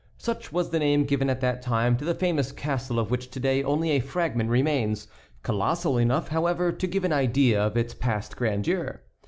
Such was the name given at that time to the famous castle of which to day only a fragment remains, colossal enough, however, to give an idea of its past grandeur.